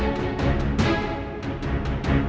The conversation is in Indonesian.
mereka kunci hati dia